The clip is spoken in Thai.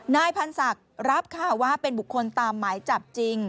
นายพันธ์ศักดิ์รับค่ะว่าเป็นบุคคลตามหมายจับจริง